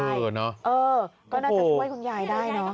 เออก็น่าจะช่วยคุณยายได้